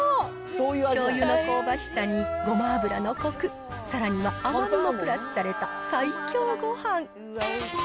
しょうゆの香ばしさに、ごま油のこく、さらには甘みもプラスされた最強ごはん。